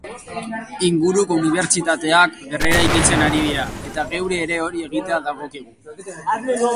Inguruko unibertsitateak berreraikitzen ari dira, eta geuri ere hori egitea dagokigu.